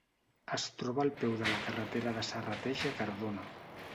Es troba al peu de la carretera de Serrateix a Cardona.